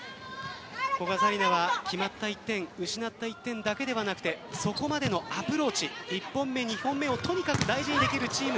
古賀紗理那は決まった１点失った１点だけではなくてそこまでのアプローチ１本目、２本目をとにかく大事にできるチーム